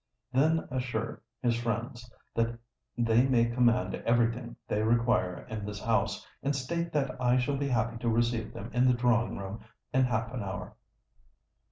Then assure his friends that they may command every thing they require in this house; and state that I shall be happy to receive them in the drawing room in half an hour."